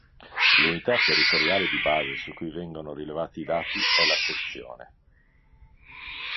L'unità territoriale di base su cui vengono rilevati i dati è la sezione.